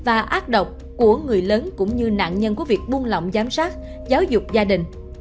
và ác độc của người lớn cũng như nạn nhân của việc buông lỏng giám sát giáo dục gia đình